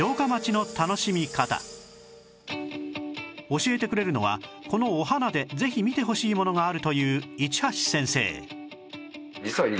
教えてくれるのはこの御花でぜひ見てほしいものがあるという市橋先生